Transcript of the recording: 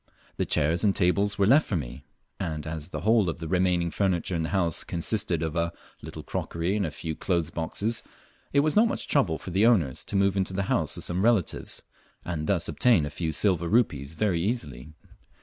The chairs and tables were left for me; and as the whole of the remaining furniture in the house consisted of a little crockery and a few clothes boxes, it was not much trouble for the owners to move into the house of some relatives, and thus obtain a few silver rupees very easily.